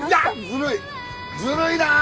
ずるいな！